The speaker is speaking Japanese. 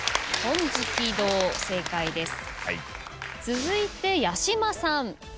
続いて八嶋さん。